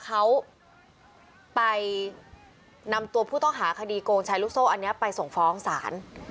เขาไปนำตัวผู้ต้องหาคดีโกงแชร์ลูกโซ่อันนี้ไปส่งฟ้องศาล